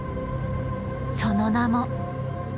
その名も。